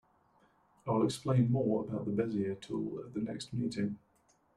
I will explain more about the Bezier tool at the next meeting.